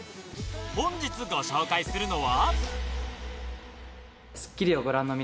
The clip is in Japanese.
本日ご紹介するのは。